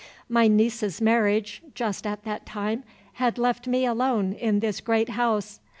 "My niece's marriage, just at that time, had left me alone in this great house.